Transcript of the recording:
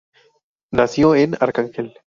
Nació en Argel.